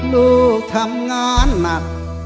ลูกทำงานหนัก